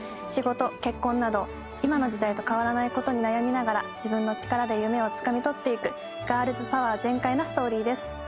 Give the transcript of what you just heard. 仕事結婚など今の時代と変わらない事に悩みながら自分の力で夢をつかみ取っていくガールズパワー全開なストーリーです。